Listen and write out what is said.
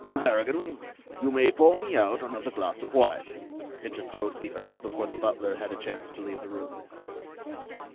"Harrigan, you may pour me out another glass of wine," interposed the Earl before the butler had a chance to leave the room.